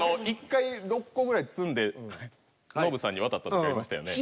１回６個ぐらい積んでノブさんに渡った時ありましたよね。